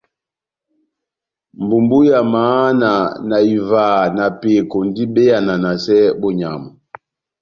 Mbumbu ya mahana na ivaha na peko ndi be yananasɛ bonyamu.